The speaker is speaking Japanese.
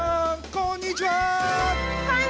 こんにちは。